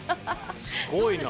すごいなあ。